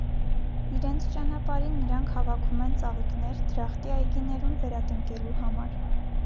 Իրենց ճանապարհին նրանք հավաքում են ծաղիկներ՝ դրախտի այգիներում վերատնկելու համար։